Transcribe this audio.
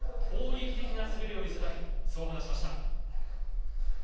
攻撃的な滑りを見せたいと話しました。